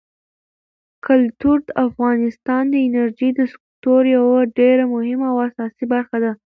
کلتور د افغانستان د انرژۍ د سکتور یوه ډېره مهمه او اساسي برخه ده.